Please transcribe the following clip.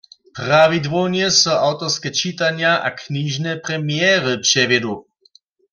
Prawidłownje so awtorske čitanja a knižne premjery přewjedu.